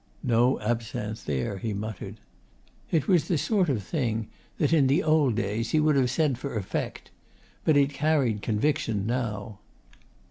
'No absinthe there,' he muttered. It was the sort of thing that in the old days he would have said for effect; but it carried conviction now.